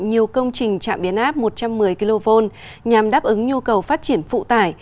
nhiều công trình trạm biến áp một trăm một mươi kv nhằm đáp ứng nhu cầu phát triển phụ tải